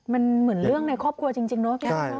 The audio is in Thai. มันเหมือนเรื่องในครอบครัวจริงเนาะ